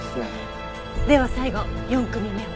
では最後４組目を。